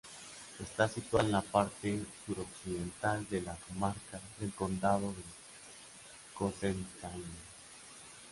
Está situada en la parte suroccidental de la comarca del Condado de Cocentaina.